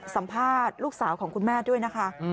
สัมภาษณ์ลูกสาวของคุณแม่ด้วยนะคะ